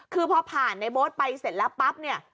คือพอผ่านในโบ๊ทไปเสร็จแล้วปั๊บเนี่ย